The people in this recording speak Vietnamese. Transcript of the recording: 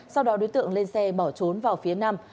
sau đó đối tượng lên xe bỏ trốn vào phía nam